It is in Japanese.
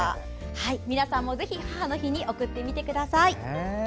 皆さんもぜひ、母の日に贈ってみてください。